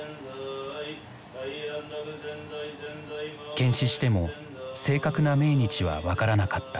検視しても正確な命日は分からなかった。